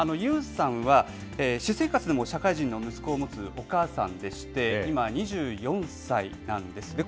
ＹＯＵさんは私生活でも社会人の息子を持つお母さんでして、今、２４歳なんです。